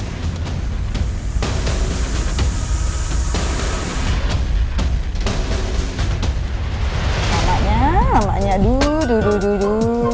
namanya namanya du du du du du